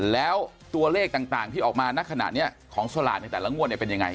แล้วตัวเลขต่างที่ออกมาณขณะนี้ของสลากในแต่ละงวดเนี่ยเป็นยังไง